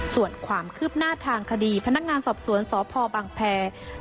ส่วนความคืบหน้าทางคดีพนักงานศัพท์สวนศพบางเเผีย